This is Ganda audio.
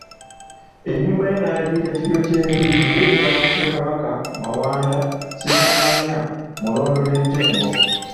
Ennyumba ye n'agiyita Kiryokyembi ng'eza Bassekabaka Mawanda, Ssekamaanya, Mulondo ne Ttembo.